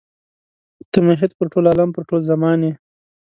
ته محیط پر ټول عالم پر ټول زمان یې.